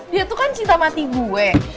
dia tuh kan cinta mati gue